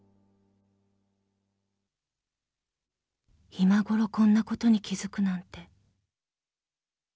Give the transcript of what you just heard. ［今ごろこんなことに気づくなんて］